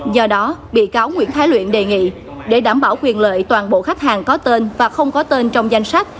do đó bị cáo nguyễn thái luyện đề nghị để đảm bảo quyền lợi toàn bộ khách hàng có tên và không có tên trong danh sách